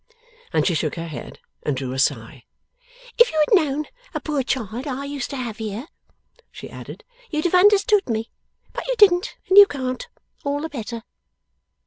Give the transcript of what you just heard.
And she shook her head, and drew a sigh. 'If you had known a poor child I used to have here,' she added, 'you'd have understood me. But you didn't, and you can't. All the better!